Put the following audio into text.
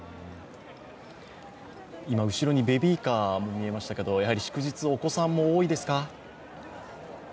今後ろにベビーカーも見えましたけど、やはり祝日、お子さんも多いですか？